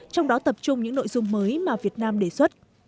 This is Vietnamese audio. trong đó tập trung những nội dung mới mà việt nam đề xuất